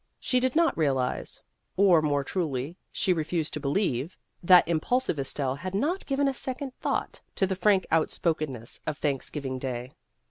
She did not realize or, more truly, she refused to believe that impulsive Estelle had not given a second thought to the 136 Vassar Studies frank outspokenness of Thanksgiving Day.